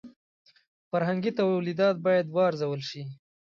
فرهنګي تولیدات یې باید وارزول شي.